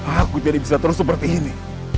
aku jadi bisa terus seperti ini